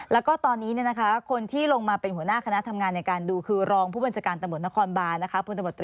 แล้วก็ตอนนี้คนที่ลงมาเป็นหัวหน้าคณะทำงานในการดูคือรองผู้บัญชาการตำรวจนครบานนะคะ